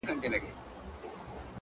زړه تا دا كيسه شــــــــــروع كــړه،